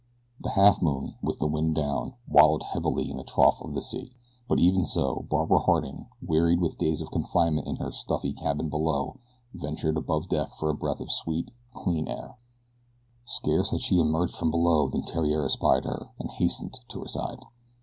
The Halfmoon, with the wind down, wallowed heavily in the trough of the sea, but even so Barbara Harding, wearied with days of confinement in her stuffy cabin below, ventured above deck for a breath of sweet, clean air. Scarce had she emerged from below than Theriere espied her, and hastened to her side.